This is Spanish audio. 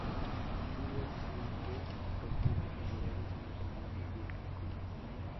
Hillel Seidel desertó de los liberales independientes al Likud.